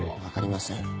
分かりません。